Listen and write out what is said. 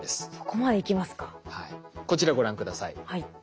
こちらご覧下さい。